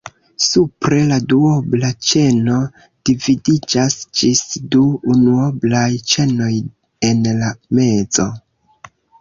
Supre la duobla ĉeno dividiĝas ĝis du unuoblaj ĉenoj en la mezo.